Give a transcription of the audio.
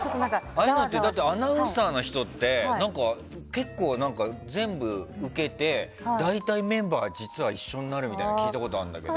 ああいうのってアナウンサーの人って全部受けて大体メンバーが実は一緒になるって聞いたことあるんだけど。